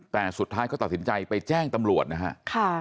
แต่สุดท้ายเขาตัดสินใจไปแจ้งตำรวจนะฮะ